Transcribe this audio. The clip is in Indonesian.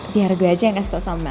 biar gue aja yang kasih tau soal mel ya